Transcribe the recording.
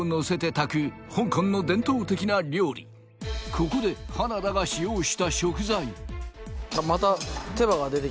ここで花田が使用した食材花田さん